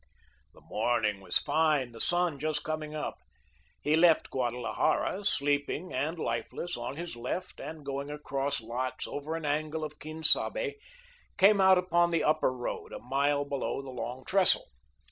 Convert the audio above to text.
The morning was fine, the sun just coming up. He left Guadalajara, sleeping and lifeless, on his left, and going across lots, over an angle of Quien Sabe, came out upon the Upper Road, a mile below the Long Trestle.